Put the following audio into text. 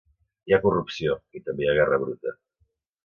Hi ha corrupció i també hi ha guerra bruta.